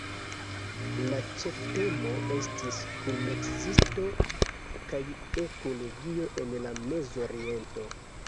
La ĉeftemo estis “kunekzisto kaj ekologio en la Mezoriento".